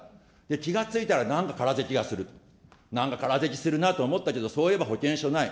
気が付いたらなんかからぜきがする、なんかからぜきするなと思ったけど、そういえば保険証ない。